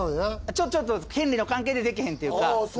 ちょっと権利の関係でできへんっていうか。